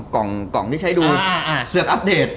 กล่องติดฉะดูเสือกอัพเดท